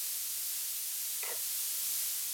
Kh.